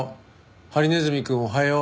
「ハリネズミ君おはよっ」